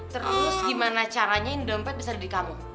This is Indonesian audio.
terus gimana caranya yang dompet bisa ada di kamu